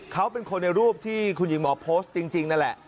เขาเป็นคนในรูปที่คุณหญิงหมอโพสต์จริงนั่นแหละ